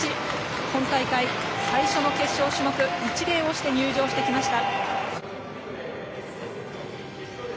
今大会最初の決勝種目一礼をして入場してきました。